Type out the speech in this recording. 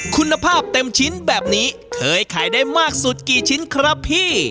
คุณภาพเต็มชิ้นแบบนี้เคยขายได้มากสุดกี่ชิ้นครับพี่